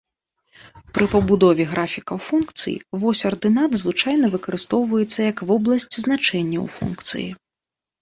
Пры пабудове графікаў функцый, вось ардынат звычайна выкарыстоўваецца як вобласць значэнняў функцыі.